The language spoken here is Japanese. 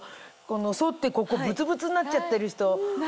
剃ってここブツブツになっちゃってる人。